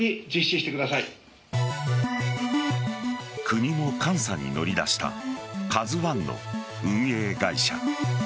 国も監査に乗り出した「ＫＡＺＵ１」の運営会社。